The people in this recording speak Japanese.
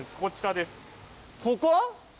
ここ？